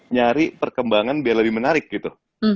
nyari perkembangan biar lebih menarik gitu